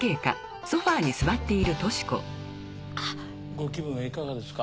ご気分はいかがですか？